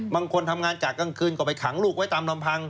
บางคนทำงานจากกลางคืนก็ไปขังลูกไว้ตามลำพัง